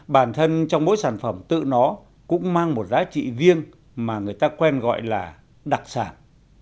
bản thân trong mỗi sản phẩm tự nó cũng mang một giá trị riêng mà người ta quen gọi là đặc sản